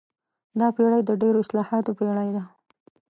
دا پېړۍ د ډېرو اصطلاحاتو پېړۍ ده.